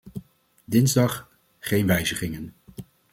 Dinsdag - geen wijzigingen.